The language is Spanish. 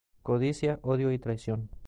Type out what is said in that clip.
Codicia, odio y traición.